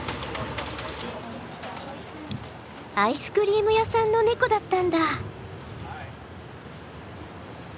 アイスクリーム屋さんのネコだったんだ。